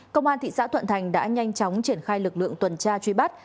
công an thị xã thuận thành đã nhanh chóng triển khai lực lượng tuần tra truy bắt